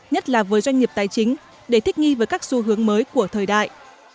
nhất là với doanh nghiệp tài chính để thích nghi với các xu hướng mới của thời đại